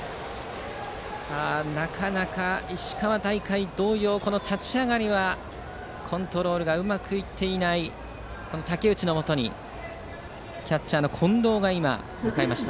なかなか、石川同様立ち上がりはコントロールがうまくいっていない武内のもとにキャッチャーの近藤が今、向かいました。